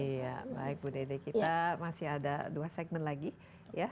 iya baik bu dede kita masih ada dua segmen lagi ya